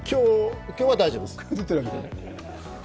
今日は大丈夫です。